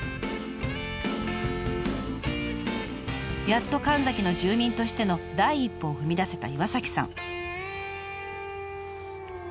やっと神埼の住民としての第一歩を踏み出せた岩さん。